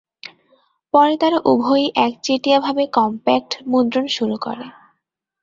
পরে তারা উভয়ই একচেটিয়াভাবে কম্প্যাক্ট মুদ্রণ শুরু করে।